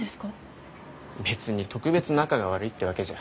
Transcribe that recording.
別に特別仲が悪いってわけじゃ。